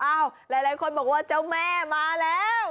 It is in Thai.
หลายคนบอกว่าเจ้าแม่มาแล้ว